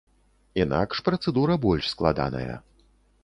Інакш працэдура больш складаная.